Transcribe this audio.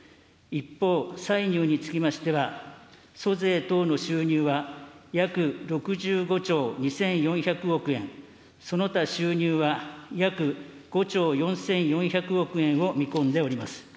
一方、歳入につきましては、租税等の収入は、約６５兆２４００億円、その他収入は、約５兆４４００億円を見込んでおります。